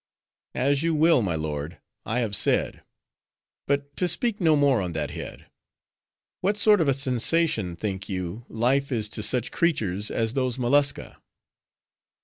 "As you will, my lord. I have said. But to speak no more on that head —what sort of a sensation, think you, life is to such creatures as those mollusca?"